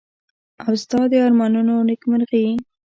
او ستا د ارمانونو نېکمرغي.